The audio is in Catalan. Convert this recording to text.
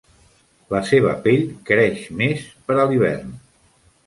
La seva pell creix més per a l'hivern.